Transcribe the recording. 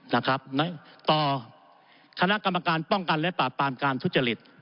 นะครับต่อคณะกรรมการป้องกันและปราบปรามการทุจริต